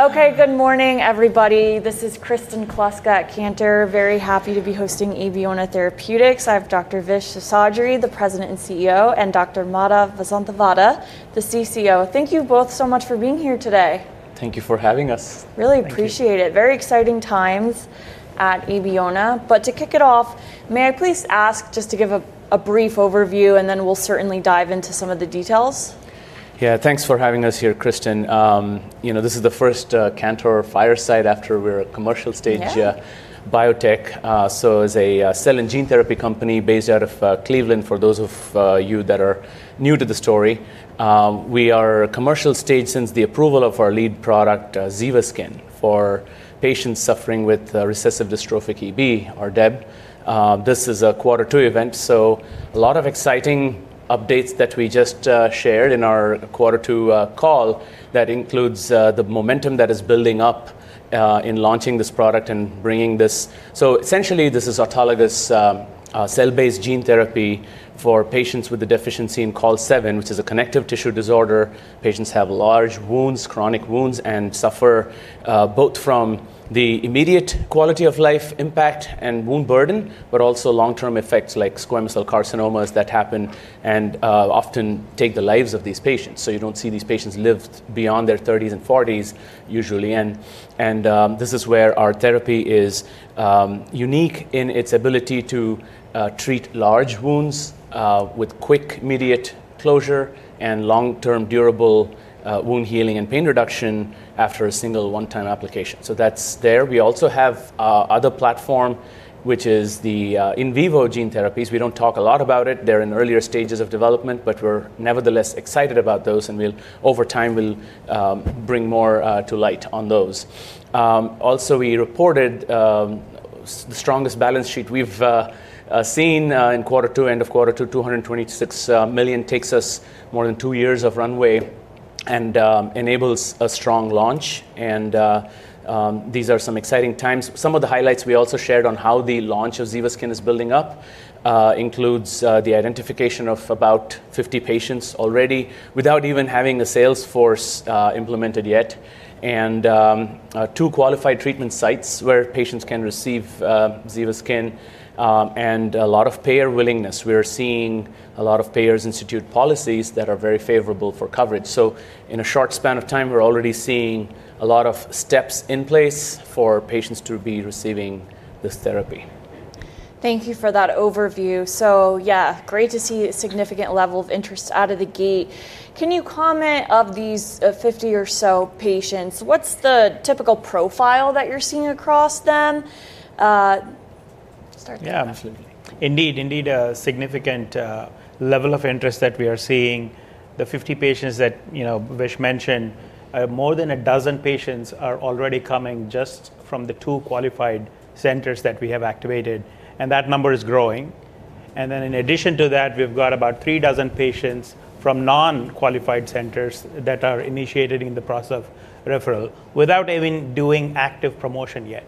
Okay, good morning, everybody. This is Kristen Kluska at Cantor. Very happy to be hosting Abeona Therapeutics. I have Dr. Vish Seshadri, the President and CEO, and Dr. Madhav Vasanthavada, the CCO. Thank you both so much for being here today. Thank you for having us. Really appreciate it. Very exciting times at Abeona. But to kick it off, may I please ask just to give a brief overview, and then we'll certainly dive into some of the details? Yeah, thanks for having us here, Kristen. You know, this is the first Cantor Fireside after we're a commercial-stage- Yeah... biotech. So as a cell and gene therapy company based out of Cleveland, for those of you that are new to the story, we are commercial-stage since the approval of our lead product ZEVASKYN, for patients suffering with recessive dystrophic EB, or DEB. This is a quarter two event, so a lot of exciting updates that we just shared in our quarter two call. That includes the momentum that is building up in launching this product and bringing this... So essentially, this is autologous cell-based gene therapy for patients with a deficiency in COL7, which is a connective tissue disorder. Patients have large wounds, chronic wounds, and suffer both from the immediate quality-of-life impact and wound burden, but also long-term effects like squamous cell carcinomas that happen and often take the lives of these patients, so you don't see these patients live beyond their 30s and 40s usually. And this is where our therapy is unique in its ability to treat large wounds with quick, immediate closure and long-term durable wound healing and pain reduction after a single one-time application. So that's there. We also have another platform, which is the in vivo gene therapies. We don't talk a lot about it. They're in earlier stages of development, but we're nevertheless excited about those, and we'll over time bring more to light on those. Also, we reported the strongest balance sheet we've seen in quarter two, end of quarter two, $226 million. It takes us more than two years of runway and enables a strong launch, and these are some exciting times. Some of the highlights we also shared on how the launch of ZEVASKYN is building up includes the identification of about 50 patients already without even having a sales force implemented yet, and two qualified treatment sites where patients can receive ZEVASKYN, and a lot of payer willingness. We are seeing a lot of payers institute policies that are very favorable for coverage. So in a short span of time, we're already seeing a lot of steps in place for patients to be receiving this therapy. Thank you for that overview. So yeah, great to see a significant level of interest out of the gate. Can you comment, of these, 50 or so patients, what's the typical profile that you're seeing across them? Yeah. Absolutely. Indeed, indeed, a significant level of interest that we are seeing. The 50 patients that, you know, Vish mentioned, more than a dozen patients are already coming just from the two qualified centers that we have activated, and that number is growing, and then in addition to that, we've got about three dozen patients from non-qualified centers that are initiated in the process of referral without even doing active promotion yet.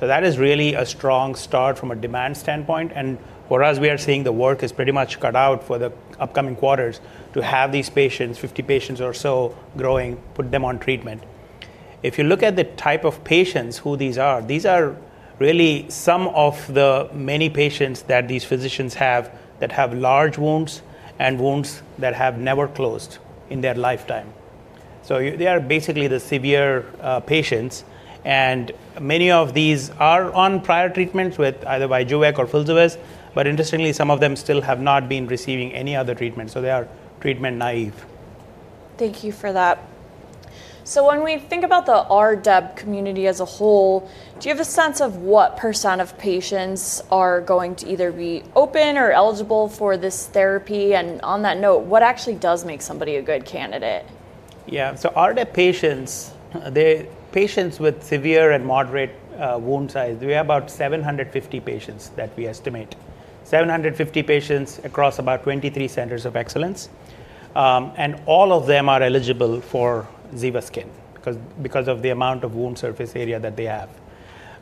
So that is really a strong start from a demand standpoint, and for us, we are seeing the work is pretty much cut out for the upcoming quarters to have these patients, 50 patients or so, growing, put them on treatment. If you look at the type of patients who these are, these are really some of the many patients that these physicians have that have large wounds and wounds that have never closed in their lifetime. They are basically the severe patients, and many of these are on prior treatments with either by Vyjuvek or Filsuvez, but interestingly, some of them still have not been receiving any other treatment, so they are treatment-naïve. Thank you for that. So when we think about the rDEB community as a whole, do you have a sense of what percent of patients are going to either be open or eligible for this therapy? And on that note, what actually does make somebody a good candidate? Yeah, so rDEB patients, they're patients with severe and moderate wound size. We have about 750 patients that we estimate, 750 patients across about 23 centers of excellence. And all of them are eligible for ZEVASKYN because of the amount of wound surface area that they have.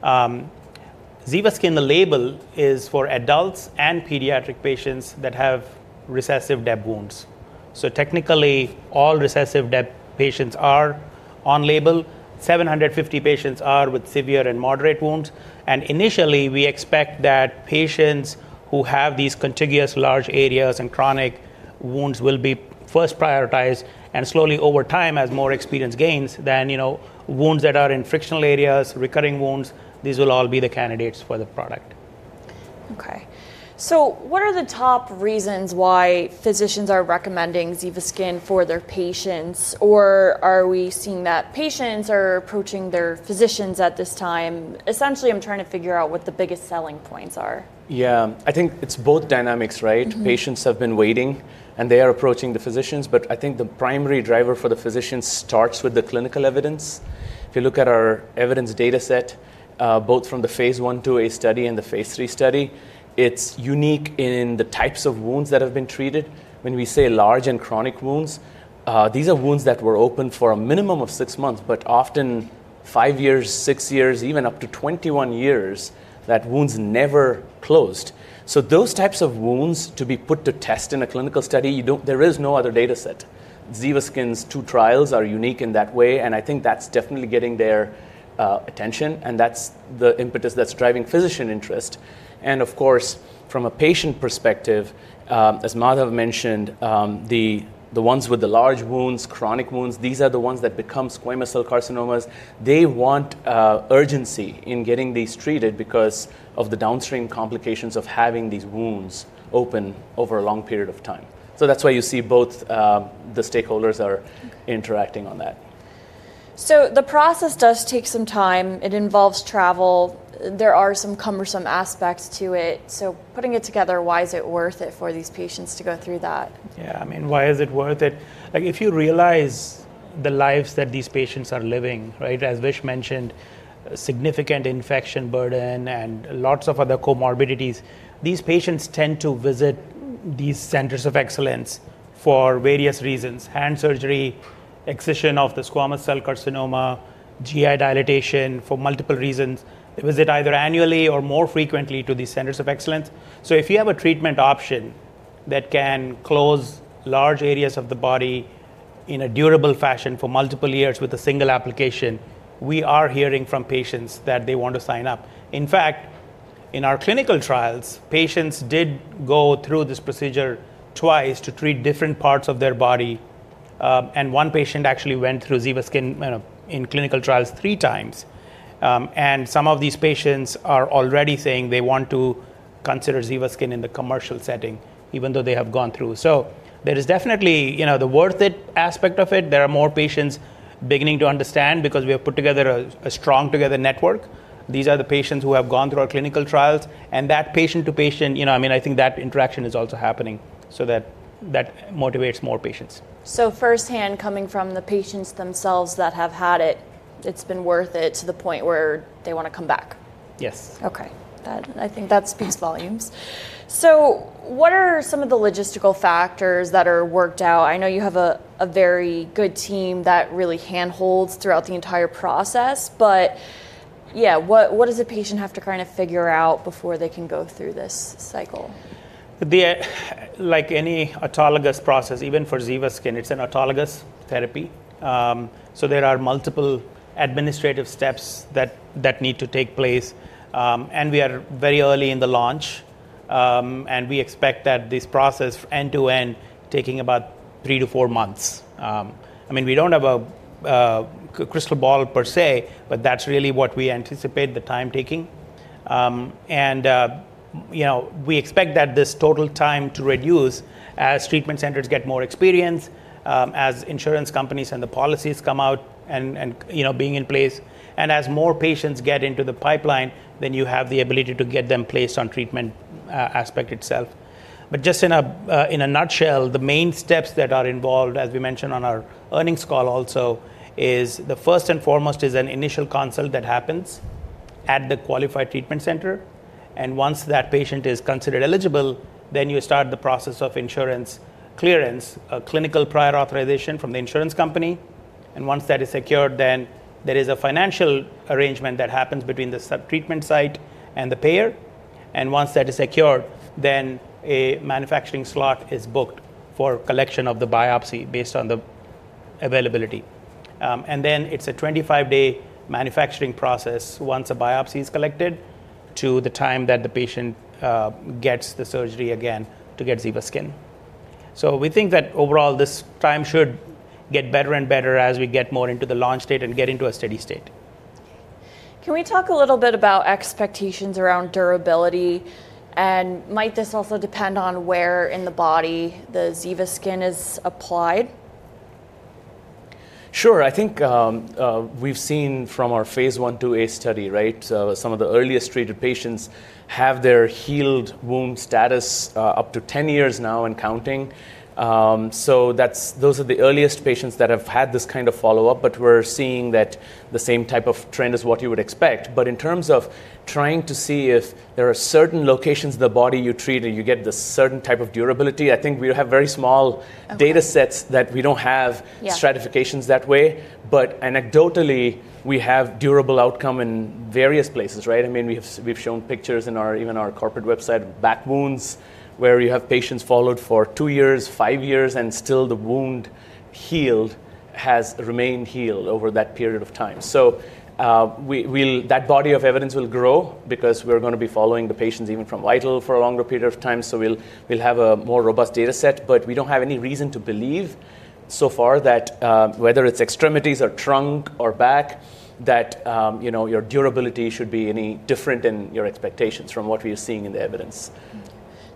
ZEVASKYN, the label, is for adults and pediatric patients that have recessive DEB wounds, so technically all recessive DEB patients are on label. 750 patients are with severe and moderate wounds, and initially, we expect that patients who have these contiguous large areas and chronic wounds will be first prioritized, and slowly over time, as more experience gains, then, you know, wounds that are in frictional areas, recurring wounds, these will all be the candidates for the product. Okay, so what are the top reasons why physicians are recommending ZEVASKYN for their patients, or are we seeing that patients are approaching their physicians at this time? Essentially, I'm trying to figure out what the biggest selling points are. Yeah, I think it's both dynamics, right? Patients have been waiting, and they are approaching the physicians, but I think the primary driver for the physicians starts with the clinical evidence. If you look at our evidence data set, both from the phase I/II-A study and the phase III study, it's unique in the types of wounds that have been treated. When we say large and chronic wounds, these are wounds that were open for a minimum of six months, but often five years, six years, even up to 21 years, that wounds never closed. So those types of wounds, to be put to test in a clinical study, there is no other data set. ZEVASKYN's two trials are unique in that way, and I think that's definitely getting their attention, and that's the impetus that's driving physician interest. Of course, from a patient perspective, as Madhav mentioned, the ones with the large wounds, chronic wounds, these are the ones that become squamous cell carcinomas. They want urgency in getting these treated because of the downstream complications of having these wounds open over a long period of time. That's why you see both the stakeholders are interacting on that. So the process does take some time. It involves travel. There are some cumbersome aspects to it. So putting it together, why is it worth it for these patients to go through that? Yeah, I mean, why is it worth it? Like, if you realize the lives that these patients are living, right? As Vish mentioned, significant infection burden and lots of other comorbidities. These patients tend to visit these centers of excellence for various reasons: hand surgery, excision of the squamous cell carcinoma, GI dilatation for multiple reasons. They visit either annually or more frequently to these centers of excellence. So if you have a treatment option that can close large areas of the body in a durable fashion for multiple years with a single application, we are hearing from patients that they want to sign up. In fact, in our clinical trials, patients did go through this procedure twice to treat different parts of their body. And one patient actually went through ZEVASKYN, you know, in clinical trials three times. And some of these patients are already saying they want to consider ZEVASKYN in the commercial setting, even though they have gone through. So there is definitely, you know, the worth it aspect of it. There are more patients beginning to understand because we have put together a strong together network. These are the patients who have gone through our clinical trials, and that patient-to-patient, you know, I mean, I think that interaction is also happening, so that motivates more patients. So firsthand, coming from the patients themselves that have had it, it's been worth it to the point where they want to come back? Yes. Okay. That, I think that speaks volumes. So what are some of the logistical factors that are worked out? I know you have a very good team that really handholds throughout the entire process, but yeah, what does a patient have to kind of figure out before they can go through this cycle? Like any autologous process, even for ZEVASKYN, it's an autologous therapy. So there are multiple administrative steps that need to take place, and we are very early in the launch, and we expect that this process, end to end, taking about three to four months. I mean, we don't have a crystal ball per se, but that's really what we anticipate the time taking. You know, we expect that this total time to reduce as treatment centers get more experience, as insurance companies and the policies come out and you know, being in place, and as more patients get into the pipeline, then you have the ability to get them placed on treatment aspect itself. But just in a nutshell, the main steps that are involved, as we mentioned on our earnings call also, is the first and foremost is an initial consult that happens at the qualified treatment center, and once that patient is considered eligible, then you start the process of insurance clearance, a clinical prior authorization from the insurance company, and once that is secured, then there is a financial arrangement that happens between the QTC treatment site and the payer, and once that is secured, then a manufacturing slot is booked for collection of the biopsy based on the availability. And then it's a 25-day manufacturing process once a biopsy is collected to the time that the patient gets the surgery again to get ZEVASKYN. So we think that overall this time should get better and better as we get more into the launch state and get into a steady state. Can we talk a little bit about expectations around durability? And might this also depend on where in the body the ZEVASKYN is applied? Sure. I think, we've seen from our phase I/II-A study, right, some of the earliest treated patients have their healed wound status, up to 10 years now and counting. So those are the earliest patients that have had this kind of follow-up, but we're seeing that the same type of trend as what you would expect. But in terms of trying to see if there are certain locations of the body you treat and you get this certain type of durability, I think we have very small- Okay... data sets that we don't have- Yeah... stratifications that way. But anecdotally, we have durable outcome in various places, right? I mean, we have, we've shown pictures in our, even our corporate website, back wounds, where you have patients followed for two years, five years, and still the wound healed, has remained healed over that period of time. So, we'll... That body of evidence will grow because we're gonna be following the patients even from VIITAL for a longer period of time, so we'll have a more robust data set, but we don't have any reason to believe so far that, whether it's extremities or trunk or back, that, you know, your durability should be any different than your expectations from what we are seeing in the evidence.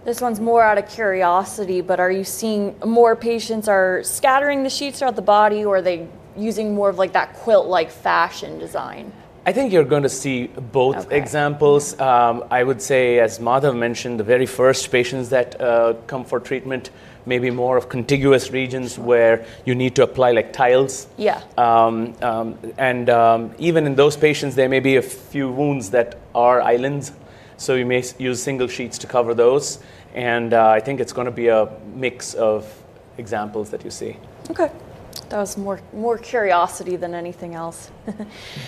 This one's more out of curiosity, but are you seeing more patients are scattering the sheets throughout the body, or are they using more of, like, that quilt-like fashion design? I think you're going to see both- Okay... examples. I would say, as Madhav mentioned, the very first patients that come for treatment may be more of contiguous regions- Sure... where you need to apply, like, tiles. Yeah. Even in those patients, there may be a few wounds that are islands, so you may use single sheets to cover those, and I think it's gonna be a mix of examples that you see. Okay. That was more curiosity than anything else.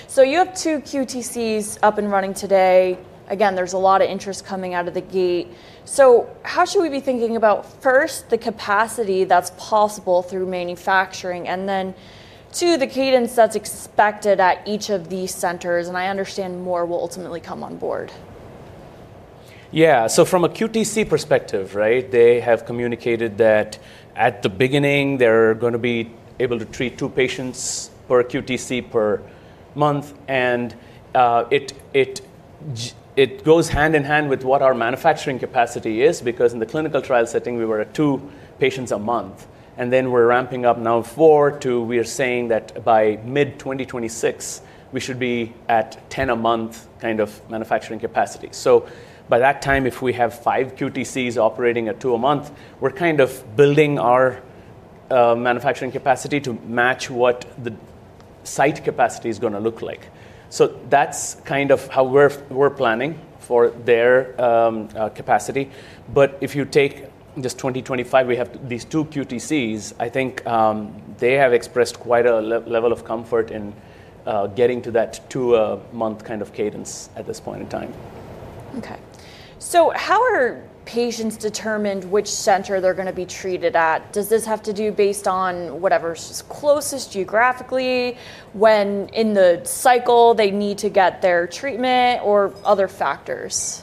So you have two QTCs up and running today. Again, there's a lot of interest coming out of the gate. So how should we be thinking about, first, the capacity that's possible through manufacturing, and then, two, the cadence that's expected at each of these centers? And I understand more will ultimately come on board. Yeah. So from a QTC perspective, right, they have communicated that at the beginning, they're gonna be able to treat two patients per QTC per month. And it goes hand in hand with what our manufacturing capacity is, because in the clinical trial setting, we were at two patients a month, and then we're ramping up now four to... We are saying that by mid-2026, we should be at 10-a-month kind of manufacturing capacity. So by that time, if we have five QTCs operating at two a month, we're kind of building our manufacturing capacity to match what the site capacity is gonna look like. So that's kind of how we're planning for their capacity. But if you take just 2025, we have these two QTCs. I think they have expressed quite a level of comfort in getting to that two-a-month kind of cadence at this point in time. Okay. So how are patients determined which center they're gonna be treated at? Does this have to do based on whatever's closest geographically, when in the cycle they need to get their treatment, or other factors?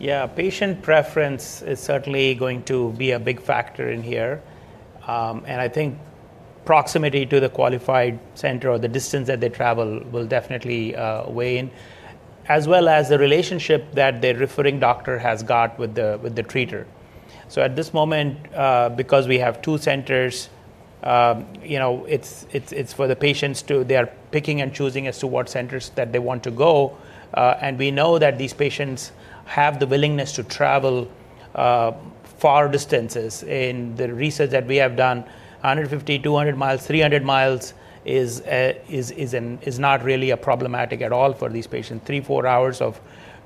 Yeah, patient preference is certainly going to be a big factor in here, and I think proximity to the qualified center or the distance that they travel will definitely weigh in, as well as the relationship that their referring doctor has got with the treater. So at this moment, because we have two centers, you know, it's for the patients. They are picking and choosing as to what centers that they want to go, and we know that these patients have the willingness to travel far distances. In the research that we have done, 150, 200, 300 miles is not really problematic at all for these patients. Three, four hours of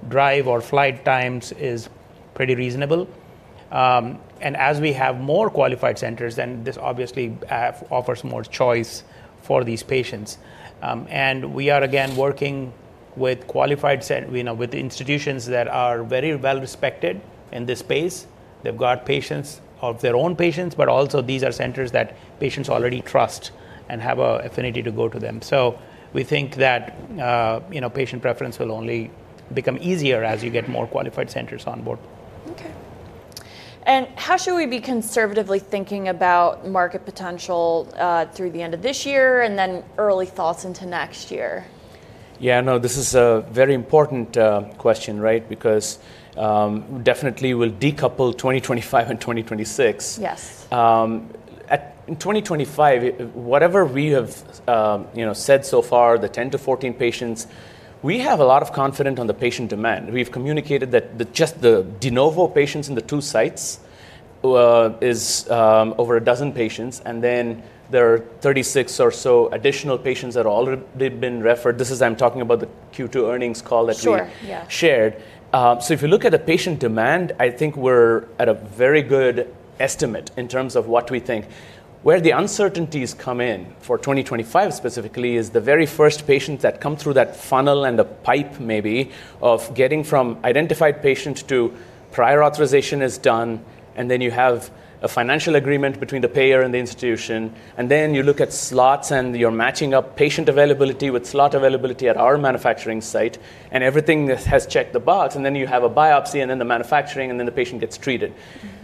drive or flight times is pretty reasonable. And as we have more qualified centers, then this obviously offers more choice for these patients. And we are, again, working with qualified centers, you know, with institutions that are very well-respected in this space. They've got patients of their own, but also these are centers that patients already trust and have an affinity to go to them. So we think that, you know, patient preference will only become easier as you get more qualified centers on board. Okay. And how should we be conservatively thinking about market potential through the end of this year, and then early thoughts into next year? Yeah, no, this is a very important question, right? Because, definitely we'll decouple 2025 and 2026. Yes. In 2025, whatever we have, you know, said so far, the 10 to 14 patients, we have a lot of confidence on the patient demand. We've communicated that just the de novo patients in the two sites is over a dozen patients, and then there are 36 or so additional patients that already have been referred. This is, I'm talking about the Q2 earnings call that we- Sure. Yeah... shared. So if you look at the patient demand, I think we're at a very good estimate in terms of what we think. Where the uncertainties come in, for 2025 specifically, is the very first patients that come through that funnel and the pipe maybe of getting from identified patient to prior authorization is done, and then you have a financial agreement between the payer and the institution. And then you look at slots, and you're matching up patient availability with slot availability at our manufacturing site, and everything just has checked the box. And then you have a biopsy, and then the manufacturing, and then the patient gets treated.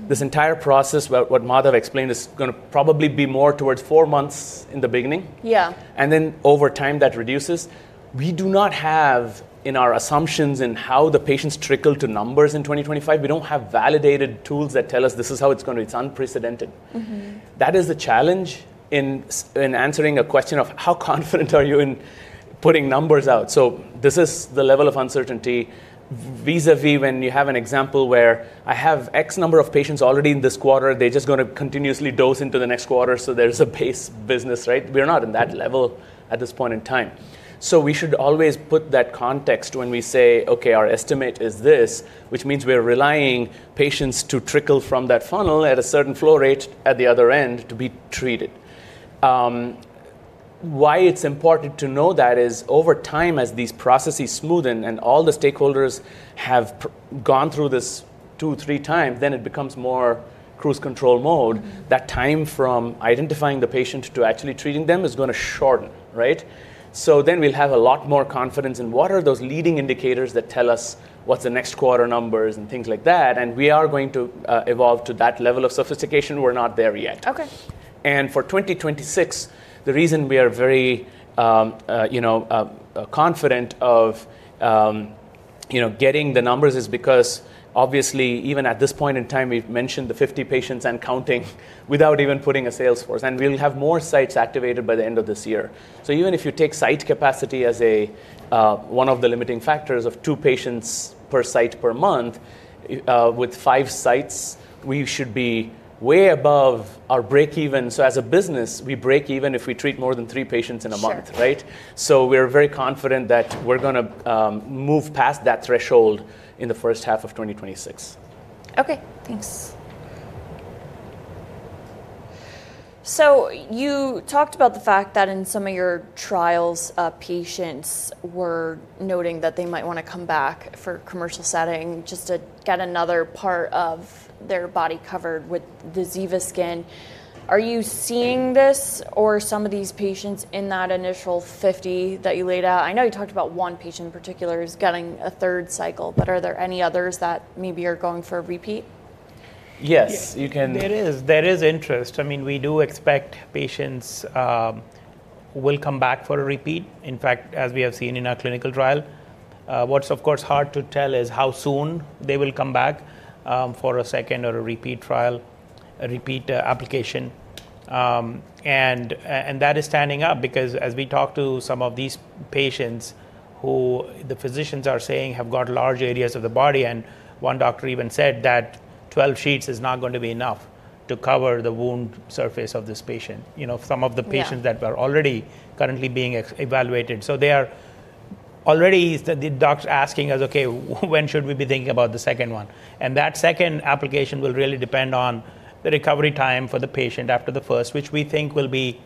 This entire process, what Madhav explained, is gonna probably be more towards four months in the beginning. Yeah. And then over time, that reduces. We do not have, in our assumptions in how the patients trickle to numbers in 2025, we don't have validated tools that tell us this is how it's gonna... It's unprecedented. That is the challenge in answering a question of: How confident are you in putting numbers out? So this is the level of uncertainty vis-a-vis when you have an example where I have X number of patients already in this quarter, they're just gonna continuously dose into the next quarter, so there's a base business, right? We're not in that level at this point in time. So we should always put that context when we say, "Okay, our estimate is this," which means we're relying patients to trickle from that funnel at a certain flow rate at the other end to be treated. Why it's important to know that is, over time, as these processes smoothen and all the stakeholders have gone through this two, three times, then it becomes more cruise control mode. That time from identifying the patient to actually treating them is gonna shorten, right? So then we'll have a lot more confidence in what are those leading indicators that tell us what's the next quarter numbers and things like that, and we are going to evolve to that level of sophistication. We're not there yet. Okay. And for 2026, the reason we are very, you know, confident of, you know, getting the numbers is because obviously, even at this point in time, we've mentioned the 50 patients and counting without even putting a sales force, and we'll have more sites activated by the end of this year. So even if you take site capacity as a, one of the limiting factors of two patients per site per month, with five sites, we should be way above our breakeven. So as a business, we breakeven if we treat more than three patients in a month right? So we're very confident that we're gonna move past that threshold in the first half of 2026.... Okay, thanks. So you talked about the fact that in some of your trials, patients were noting that they might wanna come back for commercial setting just to get another part of their body covered with the ZEVASKYN. Are you seeing this or some of these patients in that initial 50 that you laid out? I know you talked about one patient in particular is getting a third cycle, but are there any others that maybe are going for a repeat? Yes, you can- There is interest. I mean, we do expect patients will come back for a repeat, in fact, as we have seen in our clinical trial. What's, of course, hard to tell is how soon they will come back for a second or a repeat trial, a repeat application. And that is standing up because as we talk to some of these patients who the physicians are saying have got large areas of the body, and one doctor even said that 12 sheets is not going to be enough to cover the wound surface of this patient. You know, some of the patients that were already currently being evaluated. So they are already the doctors asking us, "Okay, when should we be thinking about the second one?" And that second application will really depend on the recovery time for the patient after the first, which we think will be,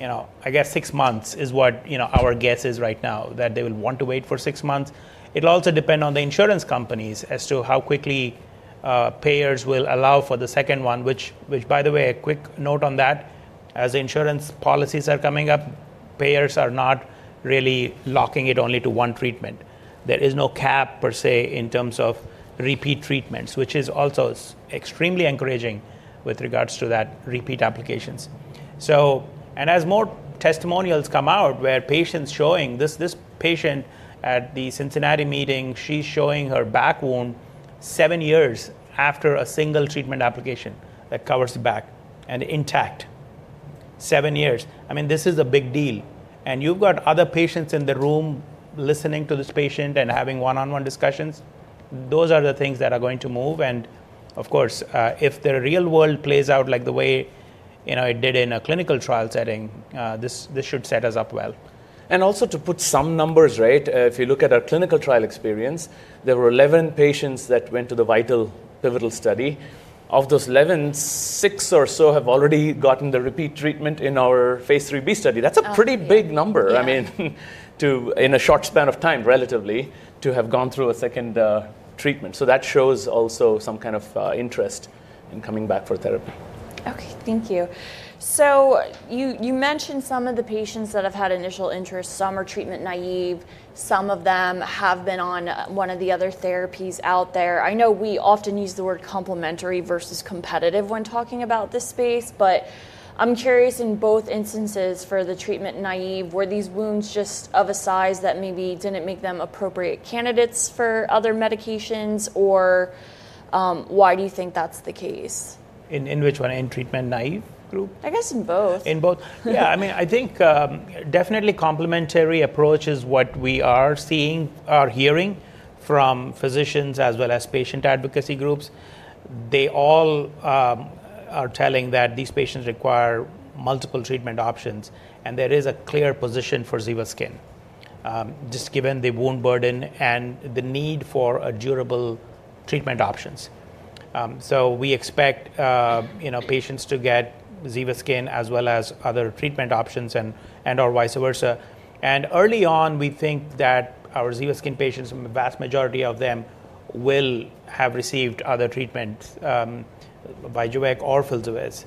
you know, I guess six months is what, you know, our guess is right now, that they will want to wait for six months. It will also depend on the insurance companies as to how quickly payers will allow for the second one, which, by the way, a quick note on that, as insurance policies are coming up, payers are not really locking it only to one treatment. There is no cap, per se, in terms of repeat treatments, which is also extremely encouraging with regards to that repeat applications. So... As more testimonials come out, where patients showing, this patient at the Cincinnati meeting, she's showing her back wound seven years after a single treatment application that covers the back and intact. Seven years. I mean, this is a big deal, and you've got other patients in the room listening to this patient and having one-on-one discussions. Those are the things that are going to move and, of course, if the real world plays out like the way, you know, it did in a clinical trial setting, this should set us up well. Also to put some numbers, right? If you look at our clinical trial experience, there were 11 patients that went to the VIITAL pivotal study. Of those 11, six or so have already gotten the repeat treatment in our phase III-B study. Oh, okay. That's a pretty big number. I mean, in a short span of time, relatively, to have gone through a second treatment. So that shows also some kind of interest in coming back for therapy. Okay, thank you. So you, you mentioned some of the patients that have had initial interest, some are treatment-naïve, some of them have been on one of the other therapies out there. I know we often use the word complementary versus competitive when talking about this space, but I'm curious, in both instances for the treatment-naïve, were these wounds just of a size that maybe didn't make them appropriate candidates for other medications? Or, why do you think that's the case? In which one? In treatment-naïve group? I guess in both. In both? Yeah. I mean, I think, definitely complementary approach is what we are seeing or hearing from physicians as well as patient advocacy groups. They all are telling that these patients require multiple treatment options, and there is a clear position for ZEVASKYN, just given the wound burden and the need for a durable treatment options. So we expect, you know, patients to get ZEVASKYN as well as other treatment options and, and/or vice versa, and early on, we think that our ZEVASKYN patients, the vast majority of them, will have received other treatment, Vyjuvek or Filsuvez,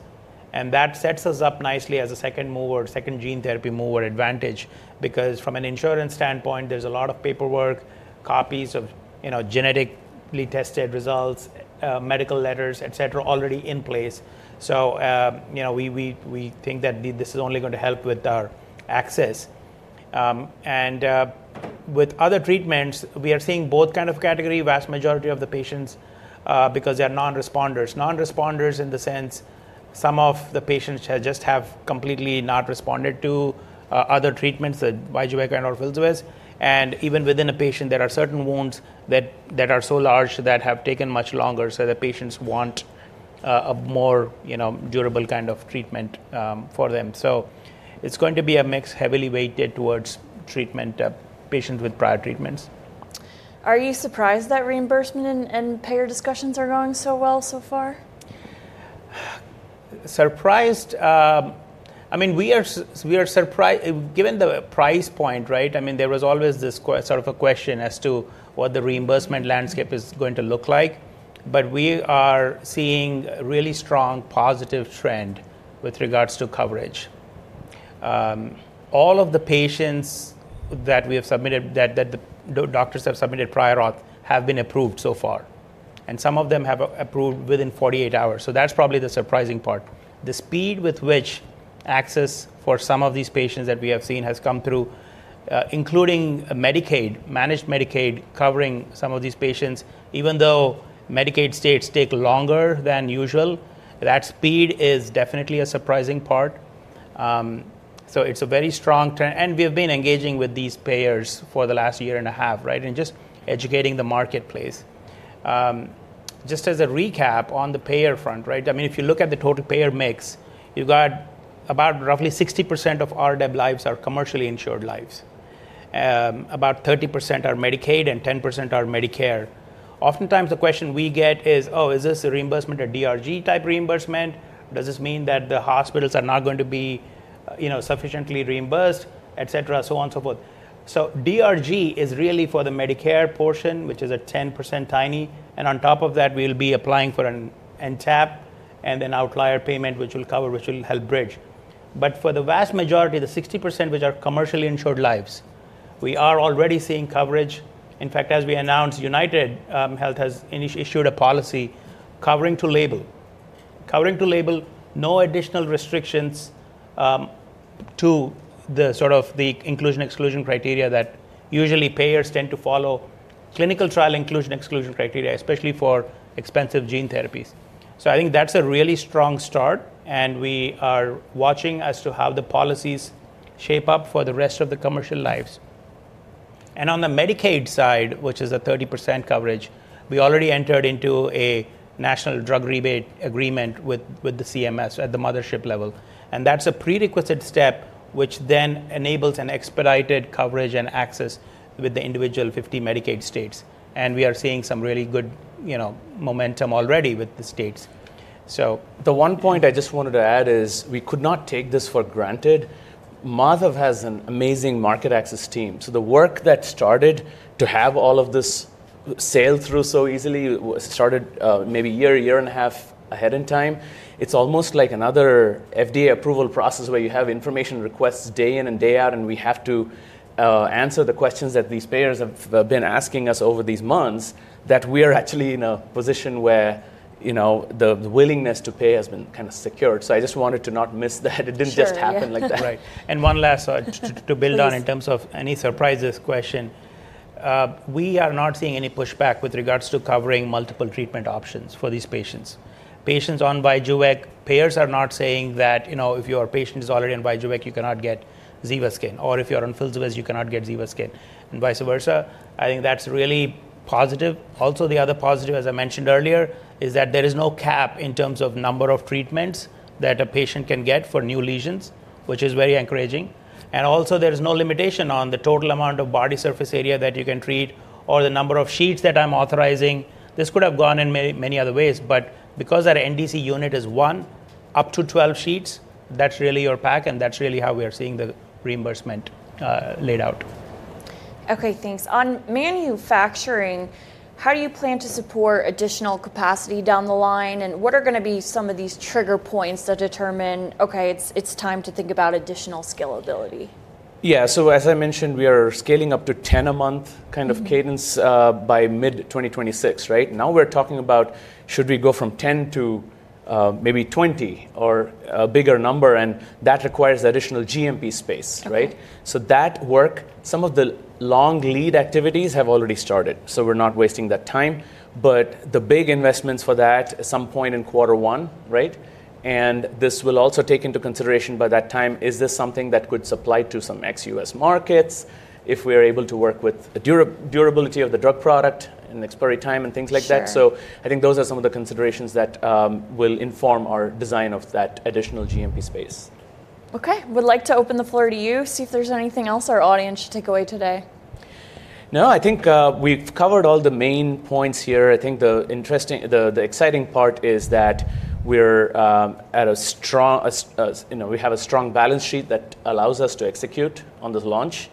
and that sets us up nicely as a second mover, second gene-therapy mover advantage. Because from an insurance standpoint, there's a lot of paperwork, copies of, you know, genetically tested results, medical letters, et cetera, already in place. So, you know, we think that this is only going to help with our access and with other treatments, we are seeing both kind of category, vast majority of the patients, because they are non-responders. Non-responders in the sense some of the patients have just completely not responded to other treatments, Vyjuvek or Filsuvez, and even within a patient, there are certain wounds that are so large that have taken much longer, so the patients want a more, you know, durable kind of treatment for them, so it's going to be a mix heavily weighted towards treatment patients with prior treatments. Are you surprised that reimbursement and payer discussions are going so well so far? Surprised? I mean, we are surprised. Given the price point, right? I mean, there was always this sort of a question as to what the reimbursement landscape is going to look like, but we are seeing really strong positive trend with regards to coverage. All of the patients that we have submitted, that the doctors have submitted prior auth have been approved so far, and some of them have approved within 48 hours, so that's probably the surprising part. The speed with which access for some of these patients that we have seen has come through, including Medicaid, managed Medicaid, covering some of these patients. Even though Medicaid states take longer than usual, that speed is definitely a surprising part. So it's a very strong trend, and we have been engaging with these payers for the last year and a half, right, and just educating the marketplace. Just as a recap on the payer front, right? I mean, if you look at the total payer mix, you've got about roughly 60% of rDEB lives are commercially insured lives. About 30% are Medicaid, and 10% are Medicare. Oftentimes, the question we get is, "Oh, is this a reimbursement, a DRG-type reimbursement? Does this mean that the hospitals are not going to be, you know, sufficiently reimbursed," et cetera, so on and so forth. So DRG is really for the Medicare portion, which is a 10%, tiny, and on top of that, we'll be applying for an NTAP and an outlier payment, which will cover, which will help bridge. But for the vast majority, the 60%, which are commercially insured lives, we are already seeing coverage. In fact, as we announced, UnitedHealthcare has issued a policy covering to label. Covering to label, no additional restrictions to the sort of the inclusion, exclusion criteria that usually payers tend to follow, clinical trial inclusion, exclusion criteria, especially for expensive gene therapies. So I think that's a really strong start, and we are watching as to how the policies shape up for the rest of the commercial lives. And on the Medicaid side, which is a 30% coverage, we already entered into a national drug rebate agreement with the CMS at the mothership level, and that's a prerequisite step, which then enables an expedited coverage and access with the individual 50 Medicaid states, and we are seeing some really good, you know, momentum already with the states. So- The one point I just wanted to add is we could not take this for granted. Madhav has an amazing market access team, so the work that started to have all of this sail through so easily started, maybe a year, a year and a half ahead in time. It's almost like another FDA approval process, where you have information requests day in and day out, and we have to answer the questions that these payers have been asking us over these months, that we are actually in a position where, you know, the willingness to pay has been kind of secured. So I just wanted to not miss that it didn't- Sure, yeah... just happen like that. Right. And one last, please to build on in terms of any surprises question, we are not seeing any pushback with regards to covering multiple treatment options for these patients. Patients on Vyjuvek. Payers are not saying that, you know, if your patient is already on Vyjuvek, you cannot get Zevaskyn, or if you're on Filsuvez, you cannot get Zevaskyn and vice versa. I think that's really positive. Also, the other positive, as I mentioned earlier, is that there is no cap in terms of number of treatments that a patient can get for new lesions, which is very encouraging. Also, there is no limitation on the total amount of body surface area that you can treat or the number of sheets that I'm authorizing. This could have gone in many, many other ways, but because our NDC unit is one, up to 12 sheets, that's really your pack, and that's really how we are seeing the reimbursement laid out. Okay, thanks. On manufacturing, how do you plan to support additional capacity down the line, and what are gonna be some of these trigger points that determine, "Okay, it's, it's time to think about additional scalability? Yeah, so as I mentioned, we are scaling up to 10 a month kind of cadence by mid-2026, right? Now we're talking about should we go from 10 to maybe 20 or a bigger number, and that requires additional GMP space, right? Okay. So that work, some of the long lead activities have already started, so we're not wasting that time. But the big investments for that, at some point in quarter one, right? And this will also take into consideration by that time, is this something that could supply to some ex-U.S. markets if we are able to work with the durability of the drug product and the expiry time and things like that? Sure. So I think those are some of the considerations that will inform our design of that additional GMP space. Okay. Would like to open the floor to you, see if there's anything else our audience should take away today. No, I think we've covered all the main points here. I think the exciting part is that we're, you know, we have a strong balance sheet that allows us to execute on this launch.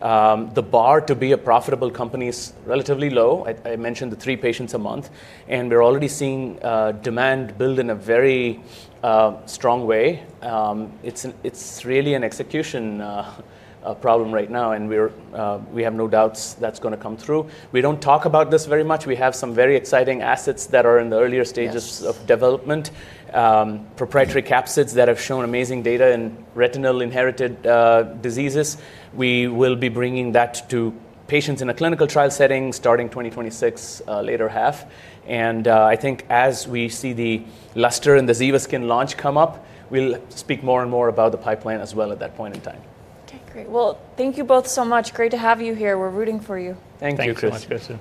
The bar to be a profitable company is relatively low. I mentioned the three patients a month, and we're already seeing demand build in a very strong way. It's really an execution problem right now, and we have no doubts that's gonna come through. We don't talk about this very much. We have some very exciting assets that are in the earlier stages of development, proprietary capsids that have shown amazing data in retinal inherited diseases. We will be bringing that to patients in a clinical trial setting, starting 2026, latter half, and I think as we see the luster and the ZEVASKYN launch come up, we'll speak more and more about the pipeline as well at that point in time. Okay, great. Well, thank you both so much. Great to have you here. We're rooting for you. Thank you, Kristen. Thanks so much, Kristen.